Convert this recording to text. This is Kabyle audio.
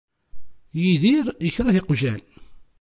Yidir ikreh iqjan.